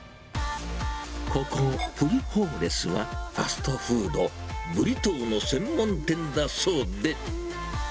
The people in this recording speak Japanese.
ここ、フリホーレスは、ファストフード、ブリトーの専門店だそうで。